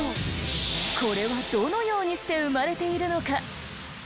これはどのようにして生まれているのか？